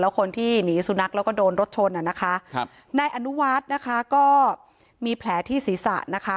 คนที่หนีสุนัขแล้วก็โดนรถชนอ่ะนะคะครับนายอนุวัฒน์นะคะก็มีแผลที่ศีรษะนะคะ